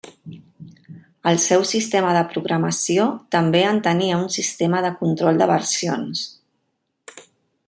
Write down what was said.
El seu sistema de programació també en tenia un sistema de control de versions.